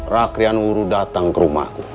rakrian wuru datang ke rumahku